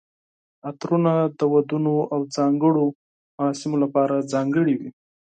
عطرونه د ودونو او ځانګړو مراسمو لپاره ځانګړي وي.